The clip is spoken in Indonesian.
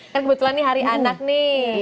kan kebetulan nih hari anak nih